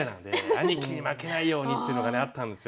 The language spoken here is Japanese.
兄貴に負けないようにっていうのがねあったんですよ。